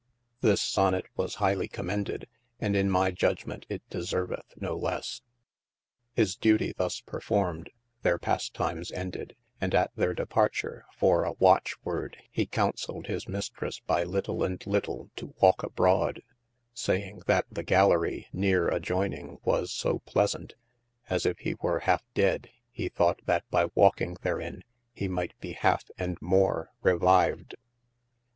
THis sonet was highly commended, and in my judgement it deserveth no lesse. His dutie thus perfourmed, their pastimes ended, and at their departure for a watch worde hee couselled his Mistresse by little and little to walke abrode : saying, that the Gallery neare adjoyning was so pleasaunt, as if he were halfe dead he thought that by walking therin hee might be halfe & more revived.